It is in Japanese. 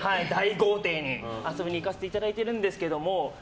遊びに行かせていただいてるんですけど。